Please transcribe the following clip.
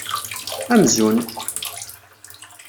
Amzun!